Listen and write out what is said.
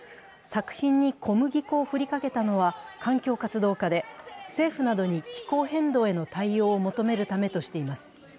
作品に小麦粉を振りかけたのは環境活動家で、政府などに気候変動への対応を求めるためとしています。